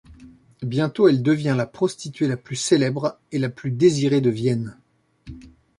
Bientôt elle devient la prostituée la plus célèbre et la plus désirée de Vienne.